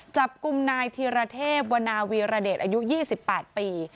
จับกลุ่มนายธีรเทพวนาวีรเดชอายุ๒๘ปี